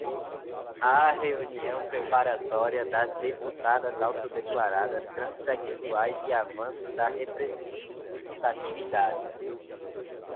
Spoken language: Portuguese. A reunião preparatória das deputadas autodeclaradas transexuais e avanços da representatividade